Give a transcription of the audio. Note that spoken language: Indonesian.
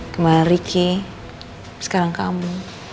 kemarin ricky sekarang kamu